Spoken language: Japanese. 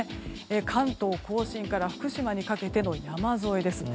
関東・甲信から福島にかけての山沿いです。